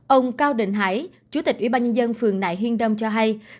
ông cao đình hải chủ tịch ủy ban nhân dân phường nại hiên đông cho hay